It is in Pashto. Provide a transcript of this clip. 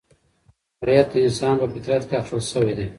هنریت د انسان په فطرت کې اخښل شوی دی.